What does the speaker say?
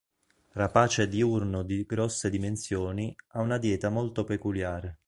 Rapace diurno di grosse dimensioni, ha una dieta molto peculiare.